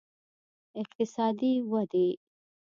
اقتصادي ودې